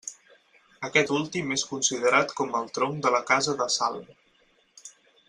Aquest últim és considerat com el tronc de la casa de Salm.